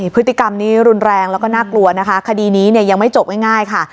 พฤติกรรมนี้รุนแรงแล้วก็น่ากลัวนะคะคดีนี้เนี่ยยังไม่จบง่ายค่ะ